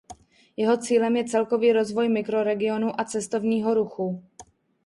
Jeho cílem je celkový rozvoj mikroregionu a cestovního ruchu.